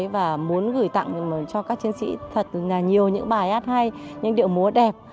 và muốn gửi tặng cho các chiến sĩ thật nhiều những bài hát hay những điệu múa đẹp